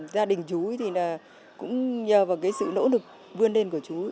gia đình chú thì là cũng nhờ vào cái sự nỗ lực vươn lên của chú